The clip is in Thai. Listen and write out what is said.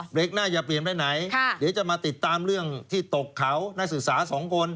เด็กหน้าอย่าเปลี่ยนไปไหนเดี๋ยวจะมาติดตามเรื่องที่ตกเขานักศึกษาสองคน